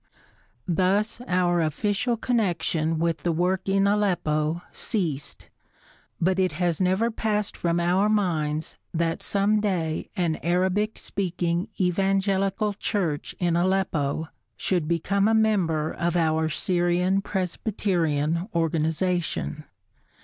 Thus our official connection with the work in Aleppo ceased, but it has never passed from our minds that some day an Arabic speaking evangelical church in Aleppo should become a member of our Syrian Presbyterian organization.